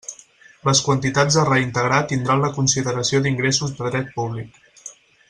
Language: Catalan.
Les quantitats a reintegrar tindran la consideració d'ingressos de dret públic.